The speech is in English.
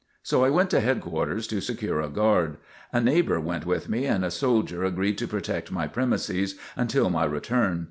So I went to headquarters to secure a guard. A neighbor went with me and a soldier agreed to protect my premises until my return.